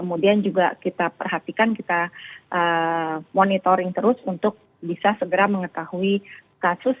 kemudian juga kita perhatikan kita monitoring terus untuk bisa segera mengetahui kasus